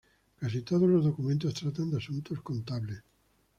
Casi todos los documentos tratan de asuntos contables.